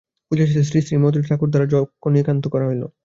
পূজা-শেষে শ্রীশ্রীমাতাঠাকুরাণীর দ্বারা যজ্ঞদক্ষিণান্ত করা হইল।